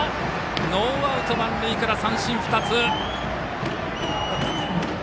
ノーアウト満塁から三振２つ。